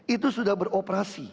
itu sudah beroperasi